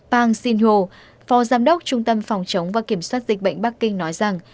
pang xinhu phò giám đốc trung tâm phòng chống và kiểm soát dịch bệnh bắc kinh nói rằng